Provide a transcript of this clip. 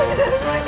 aku tidak tahu